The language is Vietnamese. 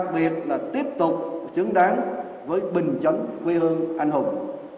và xứng đáng với bình chánh quê hương anh hùng